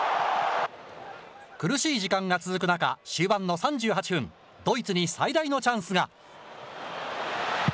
苦しい時間が続く中、終盤の３８分、ドイツに最大のチャンスが。